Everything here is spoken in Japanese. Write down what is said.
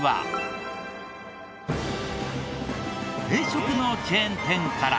定食のチェーン店から。